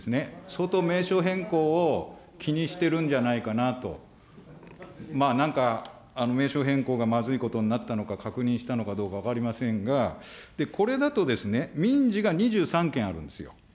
相当、名称変更を気にしてるんじゃないかなと、まあなんか、名称変更がまずいことになったのか、確認したのかどうか分かりませんが、これだとですね、民事が２３件あるんですよ。